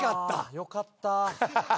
よかった。